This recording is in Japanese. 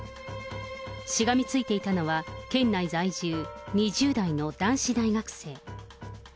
しがみついていたのは県内在住、２０代の男子大学生。